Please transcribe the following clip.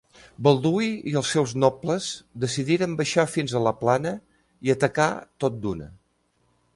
Balduí i els seus nobles decidiren baixar fins a la plana i atacar tot d'una.